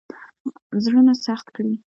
زړونه سخت کړي.